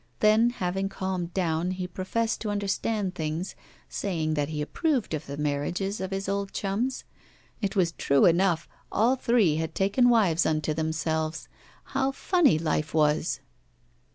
Then, having calmed down, he professed to understand things, saying that he approved of the marriages of his old chums. It was true enough, all three had taken wives unto themselves. How funny life was!